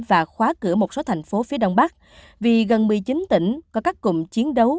và khóa cửa một số thành phố phía đông bắc vì gần một mươi chín tỉnh có các cụm chiến đấu